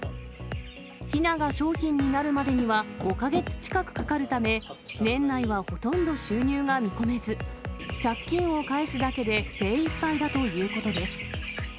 ひなが商品になるまでには５か月近くかかるため、年内はほとんど収入が見込めず、借金を返すだけで精いっぱいだということです。